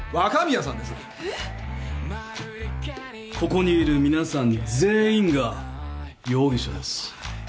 ここにいる皆さん全員が容疑者です。